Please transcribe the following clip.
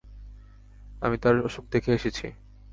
আমি তাঁর অসুখ দেখে এসেছি।